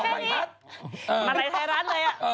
มาลัยไทยรัฐเลย